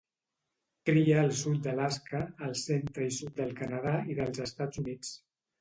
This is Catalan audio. Cria al sud d'Alaska, al centre i sud del Canadà i dels Estats Units.